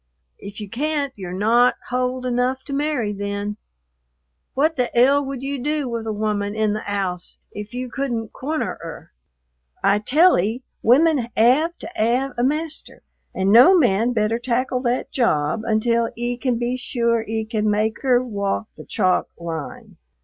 "If you can't, you're not hold enough to marry then. What the 'ell would you do with a woman in the 'ouse if you couldn't corner 'er? I tell 'e, women 'ave to 'ave a master, and no man better tackle that job until 'e can be sure 'e can make 'er walk the chalk line."